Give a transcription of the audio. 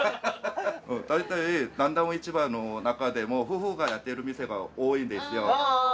大体南大門市場の中でも夫婦がやってる店が多いんですよ